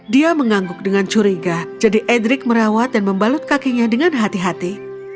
dia mengangguk dengan curiga jadi edric merawat dan membalut kakinya dengan hati hati